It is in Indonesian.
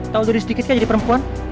tau dari sedikit kan jadi perempuan